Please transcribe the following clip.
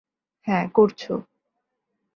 হ্যাঁ, করছো।